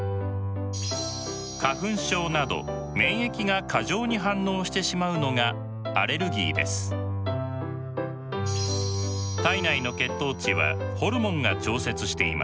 花粉症など免疫が過剰に反応してしまうのが体内の血糖値はホルモンが調節しています。